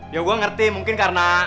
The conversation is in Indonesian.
ya gue ngerti mungkin karena